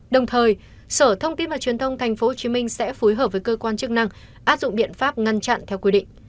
đồng thời sở thông tin và truyền thông tp hcm sẽ phối hợp với cơ quan chức năng áp dụng biện pháp ngăn chặn theo quy định